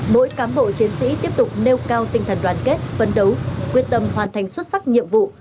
mỗi cán bộ chiến sĩ tiếp tục nêu cao tinh thần đoàn kết phấn đấu quyết tâm hoàn thành xuất sắc nhiệm vụ